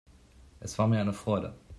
Es war mir eine Freude.